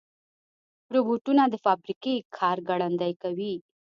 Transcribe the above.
روبوټونه د فابریکې کار ګړندي کوي.